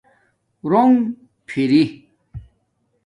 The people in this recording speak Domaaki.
رُݸنݣ فری